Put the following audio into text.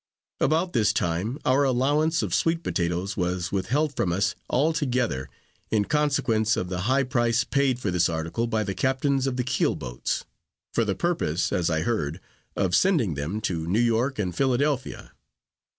About this time, our allowance of sweet potatoes was withheld from us altogether, in consequence of the high price paid for this article by the captains of the keel boats; for the purpose, as I heard, of sending them to New York and Philadelphia.